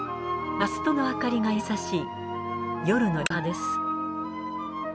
ガス灯の明かりが優しい夜の横浜です。